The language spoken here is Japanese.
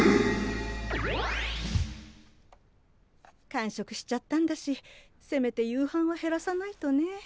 間食しちゃったんだしせめて夕飯は減らさないとね。